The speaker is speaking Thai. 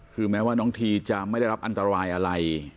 คือแม้ว่าน้องทีจะไม่ได้รับอันตรายอะไร